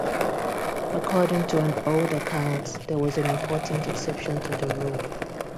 According to an old account, there was an important exception to the rule.